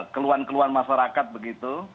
keluhan keluhan masyarakat begitu